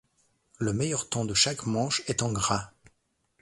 Le meilleur temps de chaque manche est en gras.